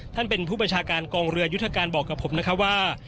ท่านเป็นผู้ประชาการกองเรือยุทธการบอกกับผมนะครับว่า